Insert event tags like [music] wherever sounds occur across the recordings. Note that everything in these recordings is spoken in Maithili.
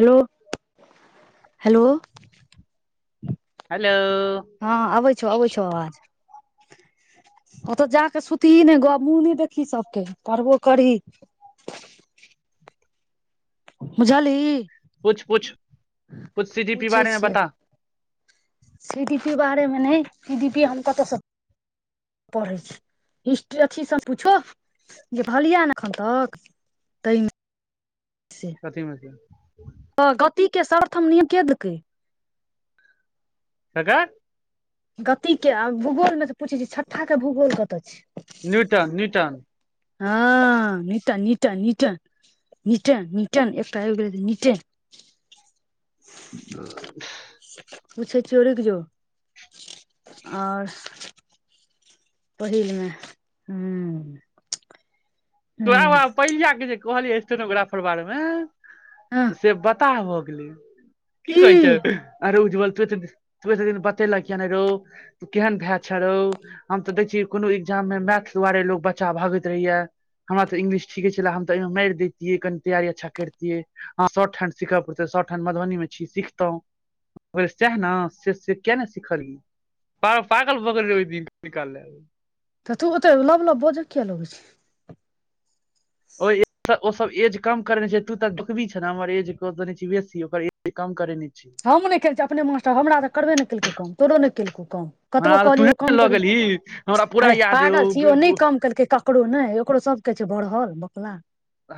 हेलो हेलो हेलो हँ आबै छौ अबै छौ आवाज ओतऽ जााक सुतही ने ग मुँह नहि देखी सभके पढ़बो करी [inaudible] बुझलही कुछ पुछ कछ सी डी पी पूछै बारेमे छियौ बता सी डी पी बारे मे नहि सी डी पी हम कत स पढ़ै छी हिस्ट्री अथी सँ पूछो जे भलियै ने एखन तक त कथी मे तऽ गति के शर्थहम निय के देलकै ककर गति के आ भूगोल में त पूछै छै छठ्ठाक के भूगोल कतय छै न्यूटन न्यूटन हँ निटन निटन निटन मिटन मिटन एकटा हो गेल छै मिटन पुछै छियै रूक जो आओर पहिलमे ह तो आबब पहिल के जे कहलियै स्टोनग्राफर बारे मे हँ से बताह भऽ गेल की कहै छ आरो ल त द बतेल किया रौ त केहन भाय छ रौ हम त देखिय को एग्जाम मे मैथ दुआारे लोग बच्चा भागैत रहैय हमरा तऽ इंग्लिश ठीके छले हम तऽ मे मार दितिये कनि तैारी अच्छा करितियै शॉर्ट हेंड सिख पड़े शर्ट ओठन मधुबनी मे छी सिखतहु सएह ने से से किया ने सिखलिय प पागल भऽ गेल रहै ओइ दिन सिखै लेल तऽ तू ओ तऽ लब लब बोजअ किया लगै छै ओहि ओ सब एज कम करे छै तू तऽ देखबी छ ने हमर एज दे बेसीकर एज कम करे हम नहि खेल छियै अपने मास्टर हमरा तऽ करबे नहि केलकै काम तोरो नहि केलकौ कम हँ कतबो तऽ कहिय तूहे ने कम लऽ कर गेलही हमरा पूरा अरे याद अइ पागल छी ओ नहि कम केलकै ककरो ने ो सबकेछ बढ़ल बोकला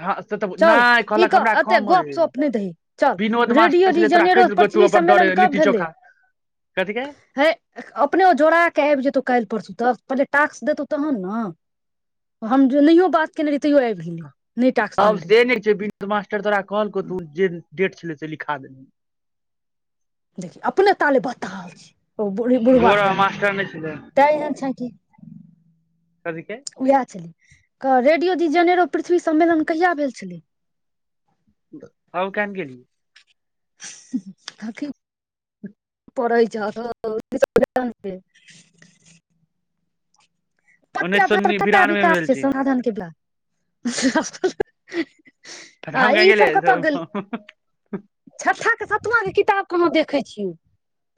हँ से तऽ चल नहि ई कहलक कह हमरा एते कम गप अइ सप नहि दी चल विनोद रेडियो मास्टर छलै तोरा कहि रीजनरो देलकौ तू पृथ्वी अपन सम्मेलन डरे कब लिट्टी भेलै चोखा कथी के हे अपने जोड़ा के आबि जेतौ काल्हि परसू तऽ पहेले टाकस दैतो तहन हम नहि तो बात तैयो आबि गेलै नहि टास्क देने तब रहियै से नहि छैनोद मास्टर तोरा कहलक तू जे डेट छलै से लिखा देब देखियौ अपने ताले बताल छी ओ ब बुढ़बा गौरव जनम मास्टर नहि छलै तैं एहन छै कि कथी के उएह छलै रेडियो दी जेनेरो पृथ्वी सम्मेलन कहिया भेल छलै हउ कन गेली ताकी पढ़इ जा तऽ [unintelligible] उन्नैस पत्यध सौ पर बिरानवे मे तभिकास भेल छै छी साधन के [unintelligible] आ हम किया ई सब कतऽ गेल गेलियै छठा के सतुआ के किताब कहाँ देख देखै छ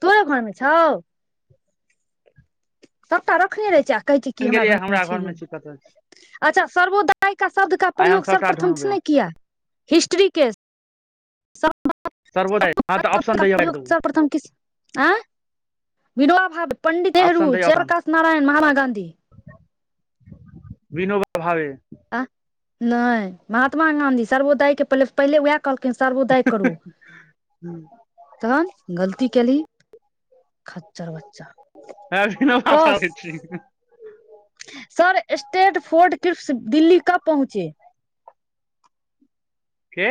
तोरे घरमे छौ सभटा रखने रहै छै आ कहै छै की हमरा गेलियै घरमे छइ घर है मे छी कतऽ अच्छा सर्वोदय का शब्द का आइ हम प्रयोग सबटा सर्वप्रथम ढूंढबै किसने किया हिस्ट्रीक के सर्वोदय हँ तऽ ऑप्शन दैय मारि देबू सर्प्रथम किसने आँ [unintelligible] विनोबा भावे पंडित नेहरू ऑप्शन दैय ऑप्शन जयप्रकाश नारायण महात्मा गांधी विनोबा भावे आ नहि महात्मा गाँधी सर्वोदय के पहिले पहिले उएह कहलखिन सर्वोदय करू हँ तहन गलती केली खच्चर बच्चा विनोबा कस भावे छी sir Stafford Cripps Delhi कब पहुँचे के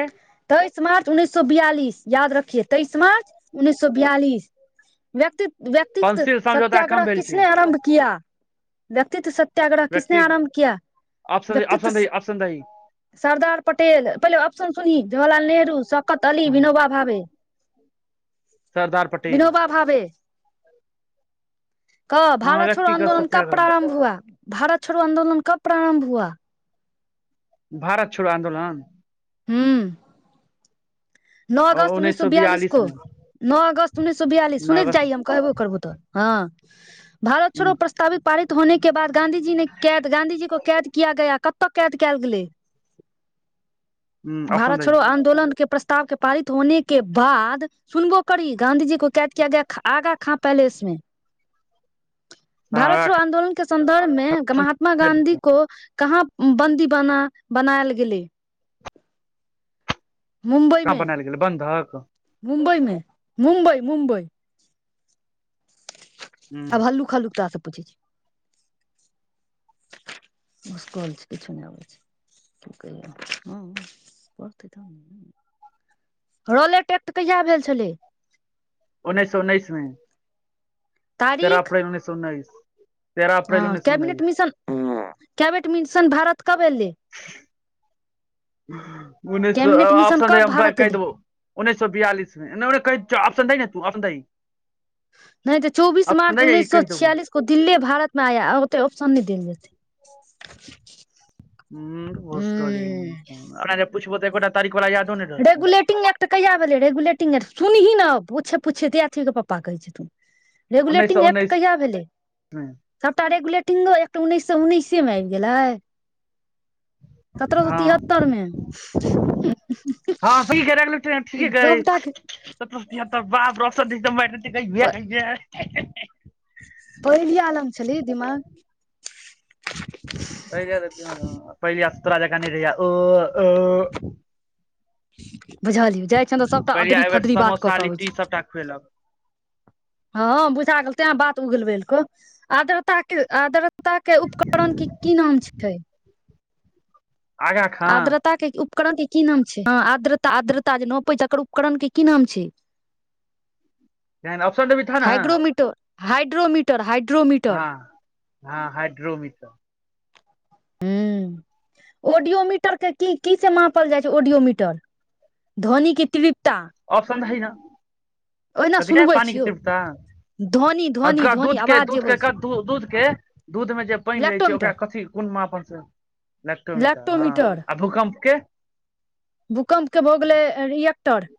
तेइस मार्च उन्नैस सए बियालिस याद रखिए तेइस उन्नैस सए बियालिस व्यक्त व्यक्तित पंसिल समझौता कम सत्याग्रह भेल छै किसने आरम्भ किया व्यक्तित्व सत्य सत्याग्रह किसने व्यक्ति आरम्भ किया ऑप्शन व्यक्तित्व ऑप्शन दही ऑप्शन दही सरदार पटेल पहिले अब सुनिही जवरलााल नेहरू सौकत अली विनोोबा भाबे सरदार पटेल विनोबा भावे कह हँ भारत छोड़ व्यक्तिगत आन्दोलन कब सत्याग्रह प्रारम्भ हुआ भारत छोड़ो आंन्दोलन कब प्रारम्भ हुआ भारत छोड़ो आन्दोलन हू नओ अगस्त उन्नैस सए बियालिस को नओ अगस्त उन्नैस सए बियालिस नओ सुन जाइय अगस्त हम कहबो करबहु तऽ हँ भारत हूँ छोड़ो प्रस्तावित पारित होने के बाद गाँंधीजी ने कैद गांधीजी को कैद किया गया कतऽ कैद कयल गेलै हूँ ऑप्शन भारत दही छोड़ो आंन्दोलन के प्र के पारित होने के बाद सुनबो करी गाँंधीजी को कैद किया गया आगा खा पैलेस मे भारत छोड़ो आंन्दोलन के संन्दर्भमे महाॅंत्मा गाँधी को कहाँ बन्दी बना बनायल गेलय स बन लल गेलय बंधक मुंबइमे मुम्बइ मुमबइ आब हल्लुक हल्लुक तोरा आ सॅं पुछय छीयो भूसकोल छै किछु नहि अबैय छय [unintelligible] रॉलेट एक्ट कहिया भेल छलै उन्नेश स सए उन्नैस मे तेरह तारीख अप्रैल उन्नैस सए उन्नैस तेरह अप्रैल हँ उन्नैस सए उन्नैस cabinet mission cabinet mission Bharat कब एले उन्नैस सए मिशन ऑप्सन दे कब हम तोरा भारत कहि एलै देबौ उन्नैस सए बियालिस मे ऑप्सन दही ने दही ने नहि तऽ चौबीस मार्च उन्नैस सए कहि देबौ छियालिस को दिल्ली भारत मे आया ओते ऑप्शन नहि देल जेतय उंम्म [unintelligible] नहि रहतौ रेगुलेटिंग एक्ट कहियआ भेलै रेगुलेटिंग एक्ट सुनही नए ओछ पूछिेते अथीके पपा कहै छथुन उन्नैस सए रेगुलेटिंग एक्ट उन्नैस कहिया भेलै मे सभटा रेगुलेट तिनो एकटा उन्नैस सए उन्नैसे मे आबि गेलै सत्रह गो तिहत्तर मे हाँ स कह गेल ठीके सभटा के कहाप रसम [unintelligible] पहिली आलम छली दिमाग राजा क नहि रहयै ओ ओ बुझलियै जाइ छियनि तऽ सबटा पहिलिया अदरी एहि बेर फदरी बात कऽ समोसा केऽ अबै लिट्टी छै सबटा खुएलक हाँ बुझा गेल तें बात उगको आद्रता के आद्रता के उपकरण क की नाम छ छै आगाँ खाँ आर्द्रता के उपकरण के की नाम छै ह आद्रता आद्रता जे नपै छै ओकर उपकरण के की नाम छै [inaudible] क अफ्सर भी था ना हाइग्रोमीटर हाइड्रोमीटर हाइड्रोमीटर हाँ हाइड्रोमीटर ह ऑडियोमीटर के की की से मापल जाइ छै ऑडियोमीटर धव्नी के तृप ऑप्शन दही ना ओहिना कतिक सुनबै पानी छियौ ध्वनि आ ध्वनि ध्वनि दूध के आवाज जे दूध अबै के दूध के दूध मे जे पाइन रहै छै ओकरा कथी कोन माप लेकटोमीटर हाँ आ भूकम्पके भूकम्पके भऽ गेलै रिएक्टर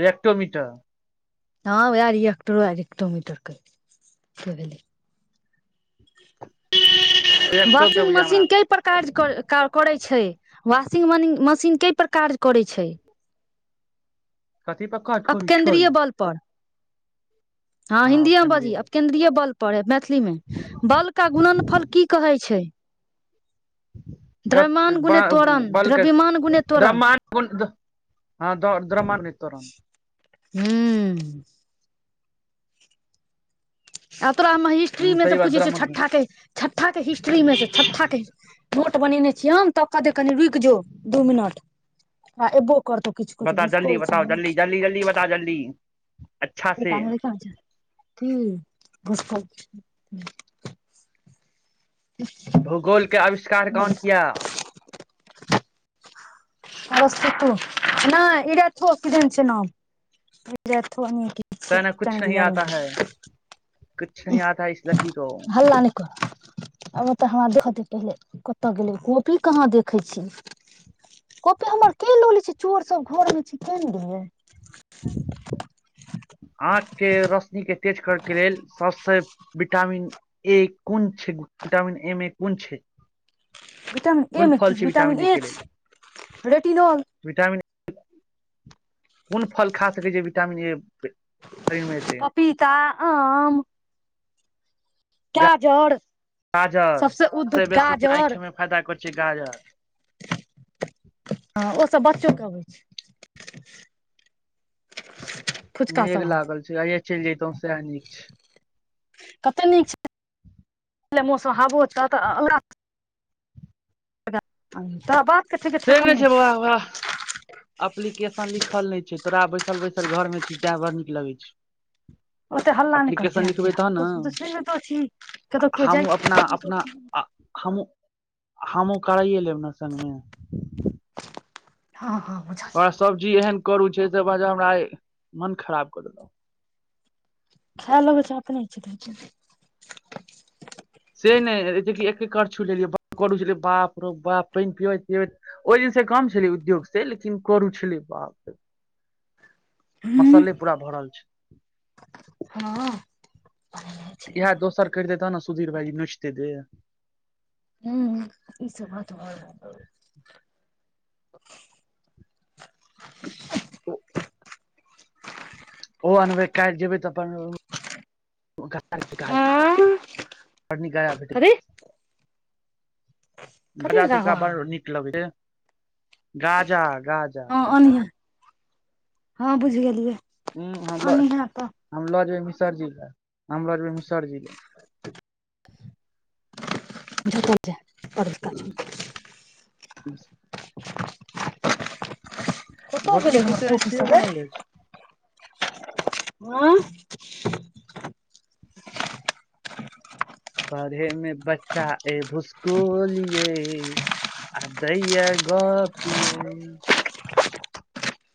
रिएकटो मीटर ह ओ एकटर एकटोमीटरके भेल रिएक्टोमीटर वाशिंग बुझाइये हमरा मशीन कए पर काराज करै छै वाशिंग मशीन कए पर काज करैय छै कथी पर काज अब करै छै केन्द्रीय बलपर हाँ हँ हिन्दीयो बजी केन्द्रीय अब केंन्द्रीय बल पर मै मैथिली मे बल का गुणन फल की कहे छै द्रव्यमान गुने त्वरण [unintelligible] द्रव्यमान गुने त्वरण हाँ द्रव्यमान नित हूँ आ तोरा हम हिस्ट्री हूँ मे से सही बात पूछै छिय द्रव्यमान गुणित छठाक के छ्ठाक के हिस्ट्री मे छठाके मोट बनेने छीयै हम तब की कनी रुकि जो दू मिनट आ एबो कतऽ किछु किछु बता जल्दी भुसकोल छै बताओ ना जल्दी जल्दी जल्दी बताओ जल्दी अच्छा [unintelligible] से कान की भुसकोल भूगोलके आविष्कार कोन किया अरस्तेतु नैय इरैकौ किदयन छै नाम रेथोनी कहना कुछ नहि आता है कछु नहिं आता इस लड़की को हल्ला नहि कर आब ओतऽ हमरा देखत पहिले कतय गेलै कोपी कहाँ देखै छी कोपी हमर के लो ले छी चोर सब घर मे छै केन ल आंख के रोशनी के कर के लेल सबसे विटामिन ए कोन छै विटामिन एम ए कोन छै विटामिन ए कोन मे फल की छी विटामिन विटामीन ए के लेल छै रेटिनॉल विटामिन कोन फल खा सकैत छै विटामिन ए शरीर मे एतै पपीता आम काजर गाजर सभसँ बेसी छै आँखेमे फायदा कर छै गाजर हँ ओ सब बस चौकाबै छै फुचका मेघ सब हाल लागल छै आय चलि जतहु सएह नीक छै पहिले मौसम हबो छैह तऽ ओकरा तऽ बात के ठीक से ठेकान ने नहि छै छौ बउआ वाह एप्लीकेशन लिखल नहि छै तोरा बैसल बैसल घर मे छी तें बड़ नीक लगे छै [inaudible] ओते हल्ला न कर एप्लीकेशन जय लिखबै तहन दियो न तो सुनितौ छी कतो कियो जाइ छै हम हम ओ कराइए लेब ने संगे हँ हँ ओकरा बुझलिए सब्जी एहन करू छै त हमरा मन खराब कर देलहु खा लगैय च अपने इछै से नहि जेकि एक करछु लेलियै कर छलै बाप रो बाप पानि पिबैत प ओहि दिन से काम छलै उद्योग से लेकिन करू छली बाप [inaudible] हूँ मसले पूरा भरल छै हँ बनेने छलै इएह तेल दोसर कर देै तह ने सुधीर भाायजी नौचतै देर नै ह ई सब बात ओ ओ अनबै काल जेबै तऽ अपन आँ फरनी गाया भेटे कथी कथी रहौ तुका बड़ नीक लगैत छै गाजा गाजा हँ ओनिहे हँ बुझि गेललिय ह हम लऽ हम लऽ जेयबै मिसर जी ल हम लऽ जेबै मिसर जी ले [unintelligible] कतअ गेलै हमर भौतकी चचा अइठिये कॉपी बनल अछि सब गै हँ [inaudible] पढ़े मे बच्चा ए भूसकोलिये आ दैया गोप यैय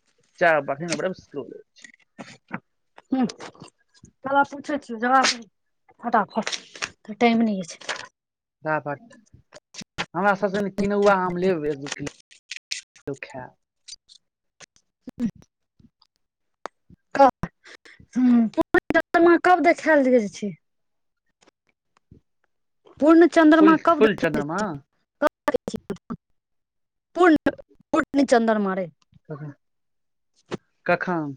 [unintelligible] ह्म त पूछै छिय जवाब द फटाफट तऽ टाइम नहि अछि सापट हमरा सभसँ ने किनौआ आम लेब एक दू किलो सुखा ह कब देखायल छै पूर्ण फुल चंन्द्रमा कब फुल चन्द्रमा देखायल पू पू चन्दन मारे कखाम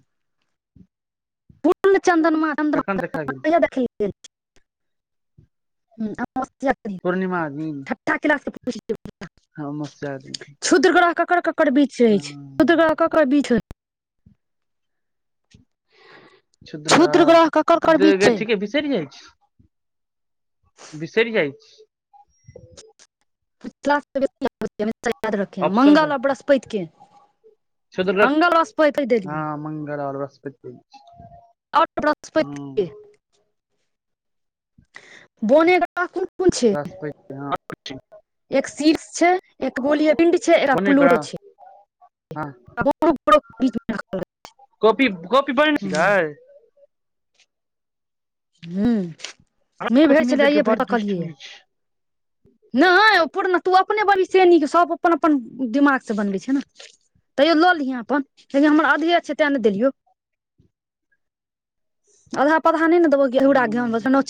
पूर्ण चन्दन म कखन देखा गेल छी च पूर्णिमा गेल [unintelligible] हँ मस्त आदी केकर केकर बीच रहय छै ककर बीच छ्षुद्र क्षुद्र ग्रह ककर ककर बीच ग छै ठीके बिसैर जाइ छीये बिसरि जाइ छी ाद रख मंगल आर बृहस्पति के चद मंगल बृहस्पति हँ देलियै मंगल आओर बृहस्पति आ हँ वृहस्पति बने कोन कोन छै बृहस्पति हँ एक शीर्ष छै एक गोलिय पिन्ड छै एरा पुलूरो छै हाँ कॅपी कॉपी बन छै ग र्द नहि कॉपी भेट छलै देलकै आइयए बड़ भेट दुष्ट कहलियैए नीच नहि पूरण तू अपने बनीसे नीक सब अपन अपन दिमागसे बनबै छ ने तैयो लऽ लिहे अपन लेकिन हमर अधी अ छै तै ने देलियौ आधा पर अहाँ नय न देबय घिरा हूँ गेहु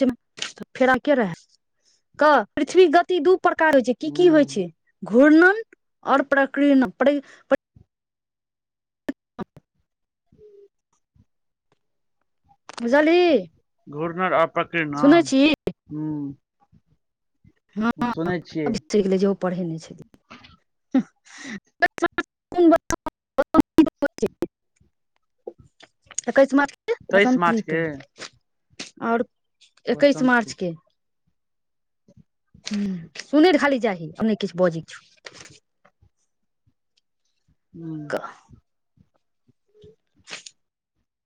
फेरामे के रहय कह पृथ्वी गति दू प्रकार प्रकार होइ छै की की होइ हूँ छै घूर्णन ओर प्रकणन बुझलीही आपत्ति ना हूं हँ छियै बिस्तरि गेलै जे ओ पढ़ेने छल [unintelligible] तऽ कहै छै मात तेइस वसन्त मार्च ऋतु के आउर एकैस बसंत ऋतु मार्चके ह सुन खाली चाही अने किछु बजै छै हूम